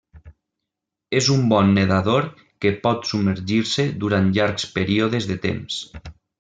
És un bon nedador que pot submergir-se durant llargs períodes de temps.